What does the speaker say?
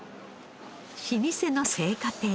老舗の青果店。